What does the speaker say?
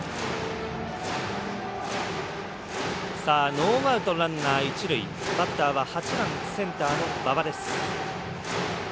ノーアウトランナー、一塁バッターは８番、センターの馬場。